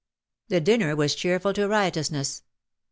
The dinner was cheerful to riotousness.